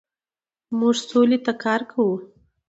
موږ سولې ته کار کوو.